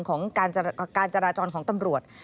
ของการจราจรของตำรวจ